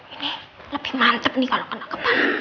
ini lebih mantep nih kalo kena kepala